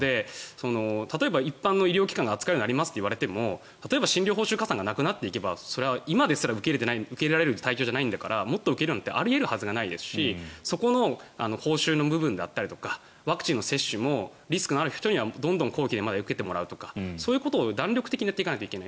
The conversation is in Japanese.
例えば、普通の医療機関が一般の病気として扱うようになっても例えば診療報酬加算がなくなっていけば今ですら受け入れられる体制じゃないんだから受け入れるなんてあり得るはずがないですしそこの報酬の部分だったりワクチン接種もどんどん公費で受けてもらうとかそういうことを弾力的にやっていかないといけない。